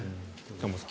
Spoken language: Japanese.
玉川さん。